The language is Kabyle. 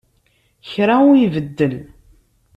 Kra ur ibeddel.